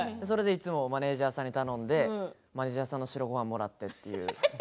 それでいつもマネージャーさんに頼んで、マネージャーさんの白ごはんもらってという。